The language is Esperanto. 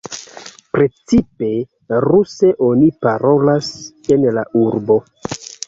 Precipe ruse oni parolas en la urbo.